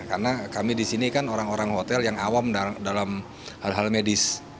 karena kami di sini kan orang orang hotel yang awam dalam hal hal medis